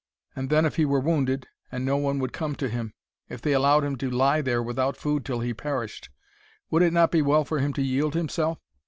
And then if he were wounded, and no one would come to him! If they allowed him to lie there without food till he perished! Would it not be well for him to yield himself?